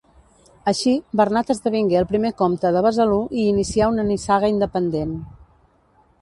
Així, Bernat esdevingué el primer comte de Besalú i inicià una nissaga independent.